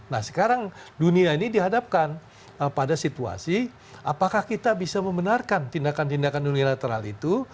nah sekarang dunia ini dihadapkan pada situasi apakah kita bisa membenarkan tindakan tindakan unilateral itu